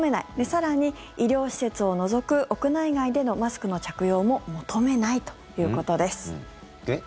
更に、医療施設を除く屋内外でのマスクの着用も求めないということです。え？